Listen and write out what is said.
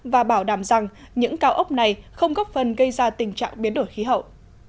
và bảo đảm rằng những cao ốc này không góp phần gây ra tình trạng biến đổi khí hậu